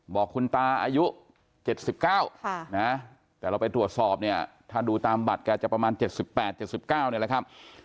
บอกคุณตาอายุ๗๙แต่เราไปตรวจสอบเนี่ยถ้าดูตามบัตรแกจะประมาณ๗๘๗๙นี่แหละครับ